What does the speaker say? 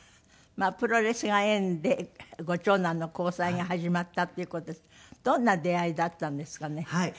まあプロレスが縁でご長男の交際が始まったっていう事ですがどんな出会いだったんですかね？